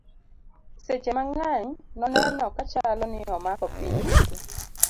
sechhe mang'eny noneno kachalo ni omako piny duto